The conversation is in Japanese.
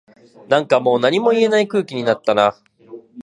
なんかもう何も言えない空気になったな